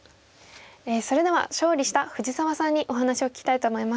それでは勝利した藤沢さんにお話を聞きたいと思います。